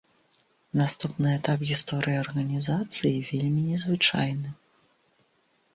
Наступны этап гісторыі арганізацыі вельмі не звычайны.